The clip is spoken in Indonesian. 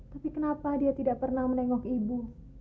tapi kenapa dia tidak pernah menengok ibu